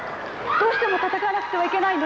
どうしても戦わなくてはいけないの？